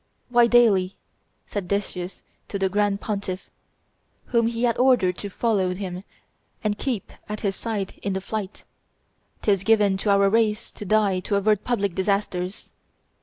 "Why daily?" said Decius to the grand pontiff, whom he had ordered to follow him and keep at his side in the flight; "'tis given to our race to die to avert public disasters."